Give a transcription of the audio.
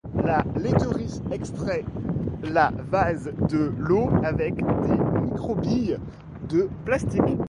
La laiterie extrait la vase de l’eau avec des microbilles de plastique.